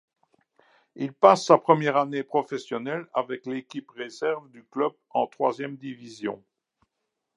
Il passe sa première année professionnelle avec l'équipe réserve du club en troisième division.